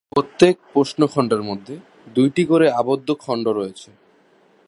প্রত্যেক প্রশ্ন খণ্ডের মধ্যে দুটি করে আবদ্ধ খণ্ড রয়েছে।